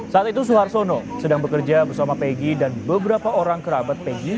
saat itu suharsono sedang bekerja bersama pegi dan beberapa orang